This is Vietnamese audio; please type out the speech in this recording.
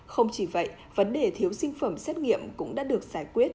không chỉ vậy vấn đề thiếu sinh phẩm xét nghiệm cũng đã được giải quyết